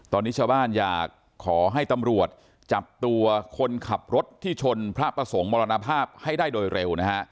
ตอนนี้ชาวบ้านอยากขอให้ตำรวจจับตัวคนขับรถที่ชนพระประสงค์มรณภาพให้ได้โดยเร็วนะฮะ